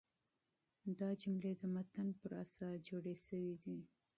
دا جملې د متن پر اساس جوړي سوي دي.